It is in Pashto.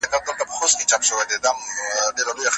په انګلستان کي هم ځینې استادان څېړونکي نه دي.